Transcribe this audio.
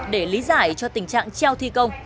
để lý giải cho tình trạng treo thi công